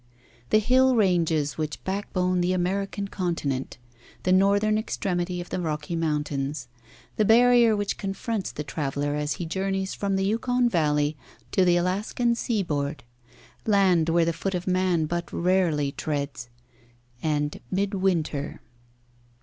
The hill ranges which backbone the American continent the northern extremity of the Rocky Mountains. The barrier which confronts the traveller as he journeys from the Yukon Valley to the Alaskan seaboard. Land where the foot of man but rarely treads. And mid winter.